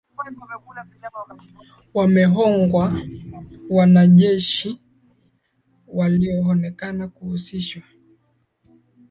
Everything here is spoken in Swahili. wame wamehogwa wanajeshi wa walionekana kuhusishwa